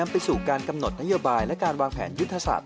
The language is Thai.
ไปสู่การกำหนดนโยบายและการวางแผนยุทธศาสต